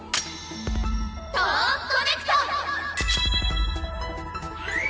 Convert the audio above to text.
トーンコネクト！